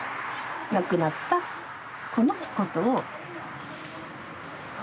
亡くなった子のことを場所。